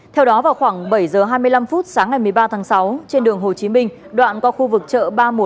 theo đó vào khoảng bảy h hai mươi năm phút sáng ngày một mươi ba tháng sáu trên đường hồ chí minh đoạn qua khu vực chợ ba trăm một mươi